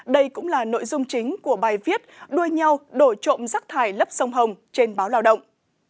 đây cũng là nội dung chính của bài viết đuôi nhau đổi trộm rác thải lấp sông hồng trên báo lao động